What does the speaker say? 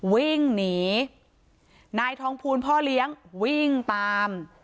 วิ่งหนีนายทองภูลพ่อเลี้ยงวิ่งตาม